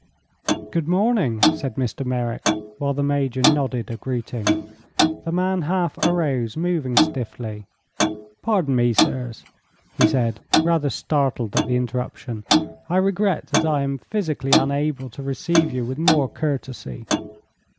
"Good morning," said Mr. Merrick, while the Major nodded a greeting. The man half arose, moving stiffly. "Pardon me, sirs," he said, rather startled at the interruption; "I regret that I am physically unable to receive you with more courtesy."